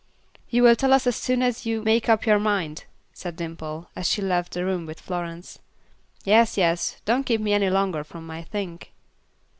"You will tell us as soon as you make up your mind," said Dimple, as she left the room with Florence. "Yes, yes; don't keep me any longer from my 'think.'"